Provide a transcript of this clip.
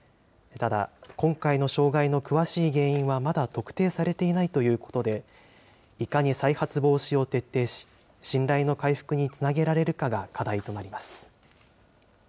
ただ、今回の障害の詳しい原因はまだ特定されていないということで、いかに再発防止を徹底し、信頼の回復につなげられるかが課題となります。